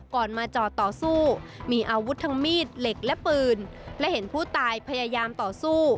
ก่อนมาจอดต่อสู้มีอาวุธทั้งมีดเหล็กและปืนและเห็นผู้ตายพยายามต่อสู้